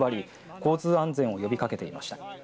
交通安全を呼びかけていました。